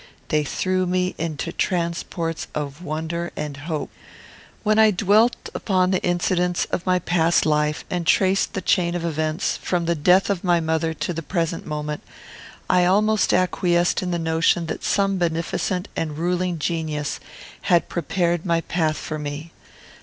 They threw me into transports of wonder and hope. When I dwelt upon the incidents of my past life, and traced the chain of events, from the death of my mother to the present moment, I almost acquiesced in the notion that some beneficent and ruling genius had prepared my path for me.